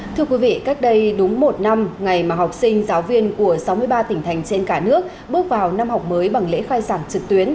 thưa quý vị cách đây đúng một năm ngày mà học sinh giáo viên của sáu mươi ba tỉnh thành trên cả nước bước vào năm học mới bằng lễ khai giảng trực tuyến